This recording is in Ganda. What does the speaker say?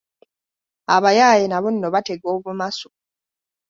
Abayaaye nabo nno batega obumasu!